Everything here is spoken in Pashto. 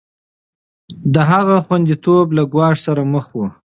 د هغه خونديتوب له ګواښ سره مخ و.